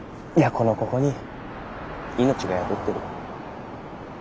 このここに命が宿ってる。